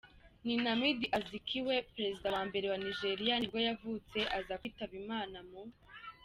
Nnamdi Azikiwe, perezida wa mbere wa Nigeria nibwo yavutse aza kwitaba Imana mu .